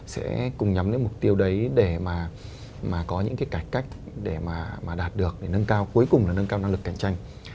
sẽ cùng nhắm đến mục tiêu đấy để mà có những cái cải cách để mà đạt được để nâng cao cuối cùng là nâng cao năng lực cạnh tranh